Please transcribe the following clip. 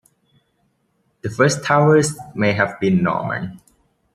The first towers may have been Norman.